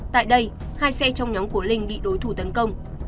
tại đây hai xe trong nhóm của linh bị đối thủ tấn công